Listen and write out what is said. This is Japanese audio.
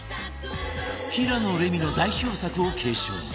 平野レミの代表作を継承